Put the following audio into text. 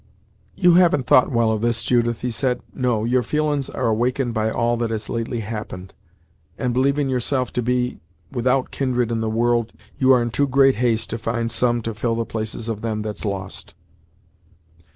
"You haven't thought well of this, Judith," he said, "no, your feelin's are awakened by all that has lately happened, and believin' yourself to be without kindred in the world, you are in too great haste to find some to fill the places of them that's lost."